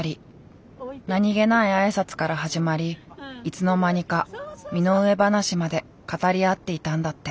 何気ない挨拶から始まりいつの間にか身の上話まで語り合っていたんだって。